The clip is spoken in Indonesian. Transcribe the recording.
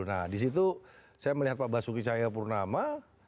nah disitu saya melihat pak basuki cahaya purnama